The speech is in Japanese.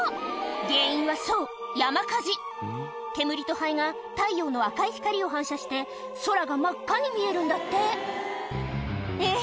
原因はそう山火事煙と灰が太陽の赤い光を反射して空が真っ赤に見えるんだってえっ？